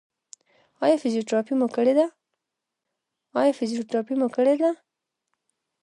ایا فزیوتراپي مو کړې ده؟